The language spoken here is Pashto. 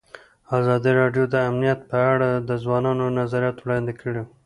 ازادي راډیو د امنیت په اړه د ځوانانو نظریات وړاندې کړي.